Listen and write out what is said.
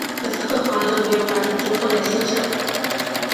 可是赫华勒没有把诅咒放在心上。